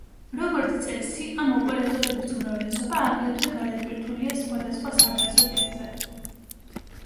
როგორც წესი, ამ ოპერატორების უმრავლესობა აგრეთვე გადატვირთულია სხვადასხვა საბაზო ტიპზე.